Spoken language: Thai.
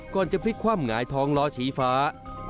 ก่อนจะพลิกความง่ายทองลอสีฝา